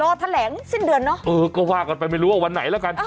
แถลงสิ้นเดือนเนอะเออก็ว่ากันไปไม่รู้ว่าวันไหนแล้วกัน